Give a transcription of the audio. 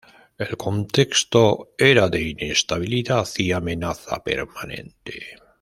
El contexto era de inestabilidad y amenaza permanente.